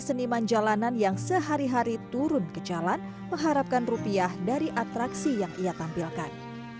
seniman jalanan yang sehari hari turun ke jalan mengharapkan rupiah dari atraksi yang ia tampilkan